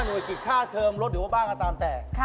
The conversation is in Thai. หน่วยกี่ค่าเทอมลดหรือว่าบ้างตามแตก